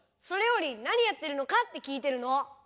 それよりなにやってるのかってきいてるの。